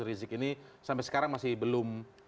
rizik ini sampai sekarang masih belum